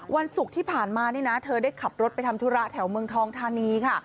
วันศุกร์ที่ผ่านมานี่นะเธอได้ขับรถไปทำธุระแถวเมืองทองธานีค่ะ